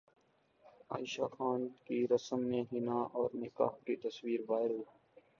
عائشہ خان کی رسم حنا اور نکاح کی تصاویر وائرل